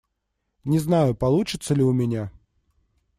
Не знаю, получится ли у меня.